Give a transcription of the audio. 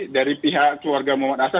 dari pihak keluarga muhammad ahsan